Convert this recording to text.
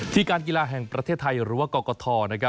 การกีฬาแห่งประเทศไทยหรือว่ากรกฐ